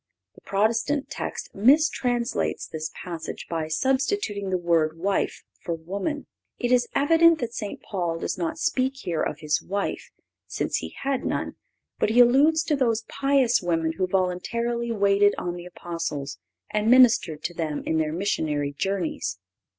(533) The Protestant text mis translates this passage by substituting the word wife for woman. It is evident that St. Paul does not speak here of his wife, since he had none; but he alludes to those pious women who voluntarily waited on the Apostles, and ministered to them in their missionary journeys.